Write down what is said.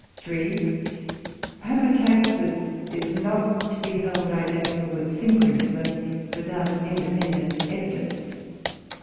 3. Homotaxis is not to be held identical with synchronism without independent evidence.